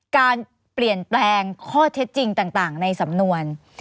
การเปลี่ยนแปลงข้อเท็จจริงต่างในสำนวน